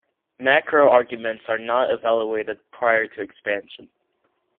Macro arguments are not evaluated prior to expansion.